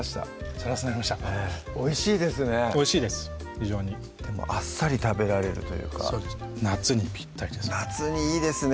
サラサラになりましたおいしいですねおいしいです非常にあっさり食べられるというかそうです夏にぴったりです夏にいいですね